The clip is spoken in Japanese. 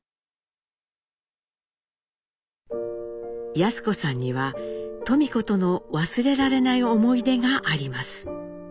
康子さんには登美子との忘れられない思い出があります。